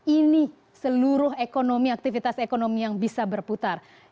ini seluruh ekonomi aktivitas ekonomi yang bisa berputar